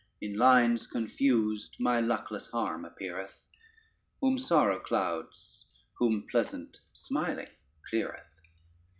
In lines confused my luckless harm appeareth, Whom sorrow clouds, whom pleasant smiling cleareth.